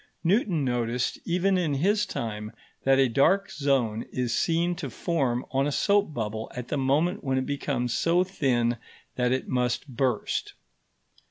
Newton noticed even in his time that a dark zone is seen to form on a soap bubble at the moment when it becomes so thin that it must burst.